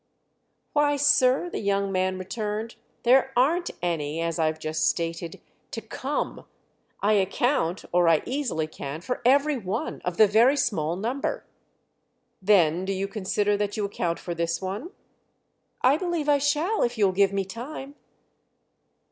"Why, sir," the young man returned, "there aren't any, as I've just stated, to 'come.' I account—or I easily can—for every one of the very small number." "Then do you consider that you account for this one?" "I believe I shall if you'll give me time."